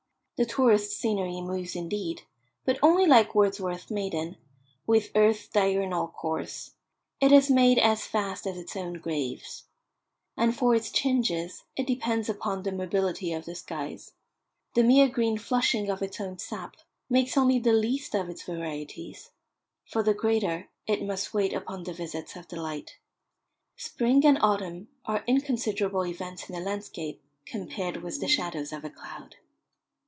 The tourist's scenery moves indeed, but only like Wordsworth's maiden, with earth's diurnal course; it is made as fast as its own graves. And for its changes it depends upon the mobility of the skies. The mere green flushing of its own sap makes only the least of its varieties; for the greater it must wait upon the visits of the light. Spring and autumn are inconsiderable events in a landscape compared with the shadows of a cloud.